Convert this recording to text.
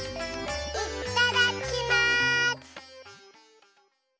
いっただきます！